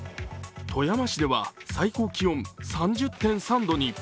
富山市では最高気温３０．３度に。